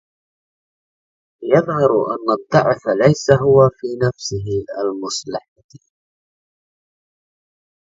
يَظْهَرُ أَنَّ الضَّعْفَ لَيْسَ هُوَ فِي نَفْسِ الْمَصْلَحَةِ